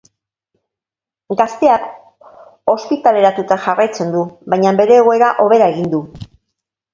Gazteak ospitaleratuta jarraitzen du, baina bere egoera hobera egin du.